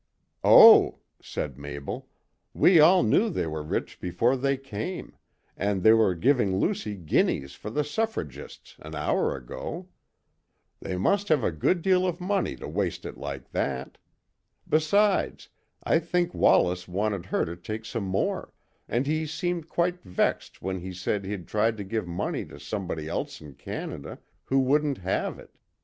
"Oh!" said Mabel, "we all knew they were rich before they came, and they were giving Lucy guineas for the suffragists an hour ago. They must have a good deal of money to waste it like that. Besides, I think Wallace wanted her to take some more, and he seemed quite vexed when he said he'd tried to give money to somebody else in Canada, who wouldn't have it.